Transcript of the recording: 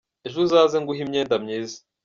Ejo uzaze nguhe imyenda myiza.